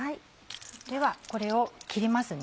ではこれを切りますね。